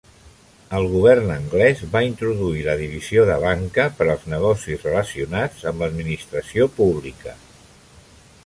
El govern anglès va introduir la divisió de banca per als negocis relacionats amb l'administració pública.